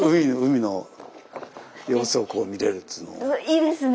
いいですね。